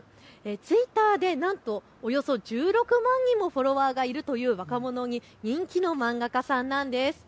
ツイッターでなんとおよそ１６万人もフォロワーがいるという若者に人気の漫画家さんなんです。